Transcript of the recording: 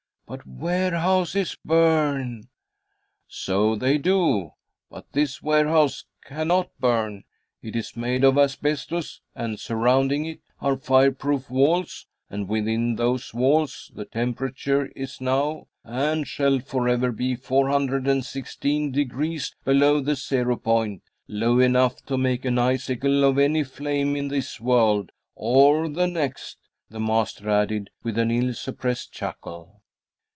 "But warehouses burn." "So they do, but this warehouse cannot burn. It is made of asbestos and surrounding it are fire proof walls, and within those walls the temperature is now and shall forever be 416 degrees below the zero point; low enough to make an icicle of any flame in this world or the next," the master added, with an ill suppressed chuckle.